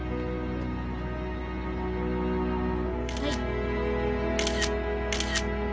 はい。